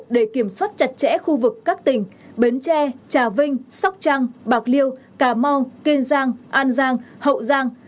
để kiểm soát chặt chẽ khu vực các tỉnh bến tre trà vinh sóc trăng bạc liêu cà mau kiên giang an giang hậu giang